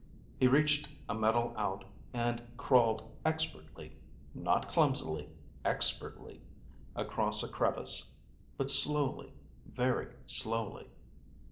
He reached a metal out and crawled expertly (not clumsily. Expertly!) across a crevice, but slowly, very slowly.